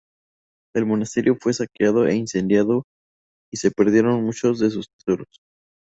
El monasterio fue saqueado e incendiado, y se perdieron muchos de sus tesoros.